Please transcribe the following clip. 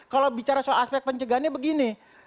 kalau bicara soal aspek pencegahannya begini